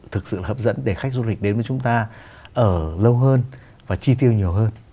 thực sự là hấp dẫn để khách du lịch đến với chúng ta ở lâu hơn và chi tiêu nhiều hơn